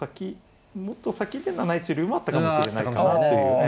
もっと先で７一竜もあったかもしれないかなという。